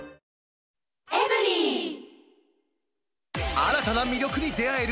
新たな魅力に出会える！